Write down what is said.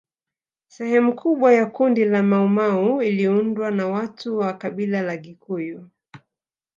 Sehemu kubwa ya kundi la Maumau iliundwa na watu wa kabila la Gikuyu